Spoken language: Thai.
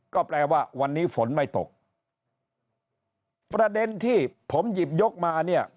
ก็แปลว่าวันนี้ฝนไม่ตกประเด็นที่ผมหยิบยกมาเนี่ย